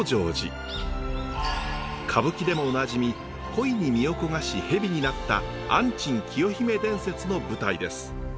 歌舞伎でもおなじみ恋に身を焦がし蛇になった安珍清姫伝説の舞台です。